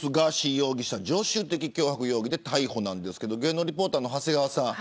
容疑者常習的脅迫容疑で逮捕ですが芸能リポーターの長谷川さん。